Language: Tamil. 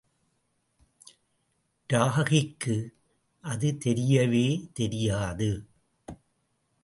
ராகிக்கு அது தெரியவே தெரியாது.